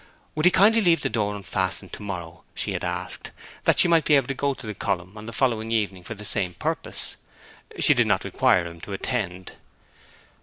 Would he kindly leave the door unfastened to morrow, she had asked, that she might be able to go to the column on the following evening for the same purpose? She did not require him to attend.